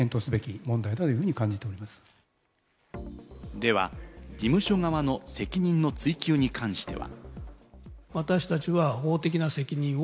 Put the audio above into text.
では事務所側の責任の追及に関しては。